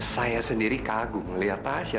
saya sendiri kagum melihat tasya